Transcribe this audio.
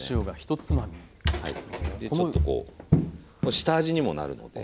ちょっとこう下味にもなるので。